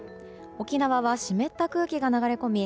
沖縄は湿った空気が流れ込み